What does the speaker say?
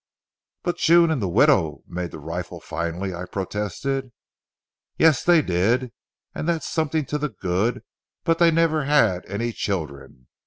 "But June and the widow made the riffle finally," I protested. "Yes, they did, and that's something to the good, but they never had any children.